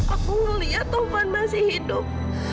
aku melihat tuhan masih hidup